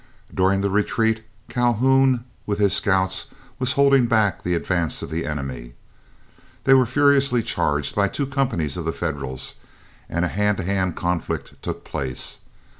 During the retreat Calhoun with his scouts was holding back the advance of the enemy. They were furiously charged by two companies of the Federals, and a hand to hand conflict took place.